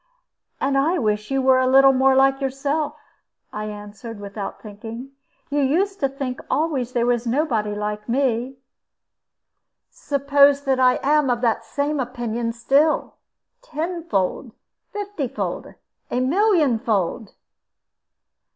"And I wish you were a little more like yourself," I answered, without thinking; "you used to think always there was nobody like me." "Suppose that I am of the same opinion still? Tenfold, fiftyfold, a millionfold?"